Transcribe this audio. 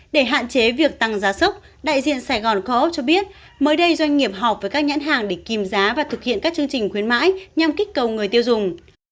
để hạn chế việc tăng giá sốc đại diện sài gòn coop cho biết mới đây doanh nghiệp họp với các nhãn hàng để kìm giá và thực hiện các chương trình khuyến mãi nhằm kích cầu người tiêu dùng